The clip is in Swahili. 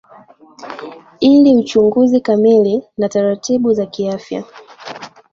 ili uchunguzi kamili na taratibu zakiafya